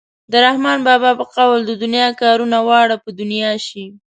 د رحمان بابا په قول د دنیا کارونه واړه په دنیا شي.